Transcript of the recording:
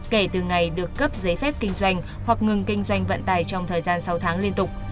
kể từ ngày được cấp giấy phép kinh doanh hoặc ngừng kinh doanh vận tài trong thời gian sáu tháng liên tục